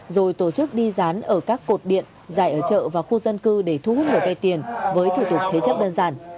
rồi tổ chức đi dán ở các cột điện dài ở chợ và khu dân cư để thu hút người vay tiền với thủ tục thế chấp đơn giản